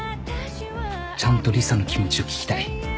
ちゃんと理沙の気持ちを聞きたい。